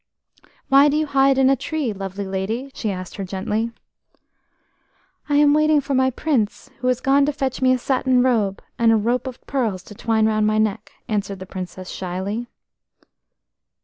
"Why do you hide in a tree, lovely lady?" she asked her gently. "I am waiting for my Prince, who has gone to fetch me a satin robe, and a rope of pearls to twine round my neck," answered the Princess shyly.